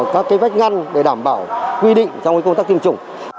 các vách ngăn để đảm bảo quy định trong công tác tiêm chủng